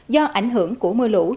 do ảnh hưởng của mưa lũ